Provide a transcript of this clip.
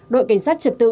đội cảnh sát trật tự